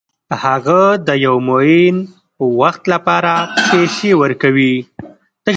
هغه د یو معین وخت لپاره پیسې ورکوي